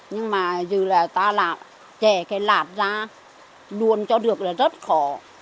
nhưng mà dù là ta chẻ cái lạt ra luôn cho được là rất khó